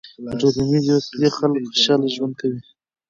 د ټولنیزې وصلۍ خلک خوشحاله ژوند کوي.